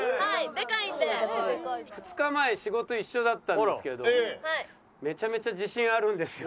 ２日前仕事一緒だったんですけど「めちゃめちゃ自信あるんですよ」